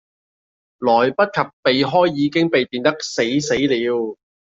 來不及避開已經被電得死死了